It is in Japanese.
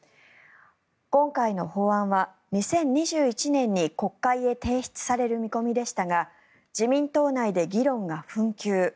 今回の法案は２０２１年に国会へ提出される見込みでしたが自民党内で議論が紛糾。